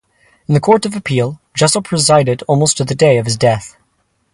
In the Court of Appeal Jessel presided almost to the day of his death.